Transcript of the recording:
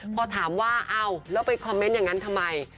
พอถามว่าเอาแล้วไปคอมเมนต์อย่างนั้นทำไม